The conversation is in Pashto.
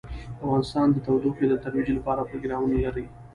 افغانستان د تودوخه د ترویج لپاره پروګرامونه لري.